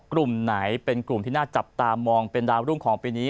กลุ่มไหนเป็นกลุ่มที่น่าจับตามองเป็นดาวรุ่งของปีนี้